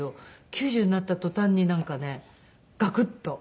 ９０になった途端になんかねガクッと。